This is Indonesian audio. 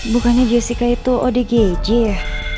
bukannya jessica itu odgj ya